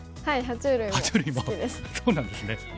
は虫類もそうなんですね。